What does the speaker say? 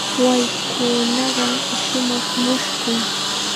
Waykunaqa shumaq mushkun.